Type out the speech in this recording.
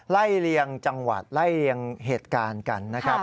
เลียงจังหวัดไล่เลียงเหตุการณ์กันนะครับ